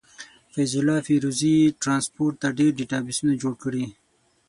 فيض الله فيروزي ټرانسپورټ ته ډير ډيټابسونه جوړ کړي.